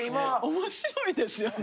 面白いですよね。